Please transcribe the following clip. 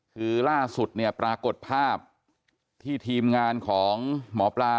คือล่าสุดเนี่ยปรากฏภาพที่ทีมงานของหมอปลา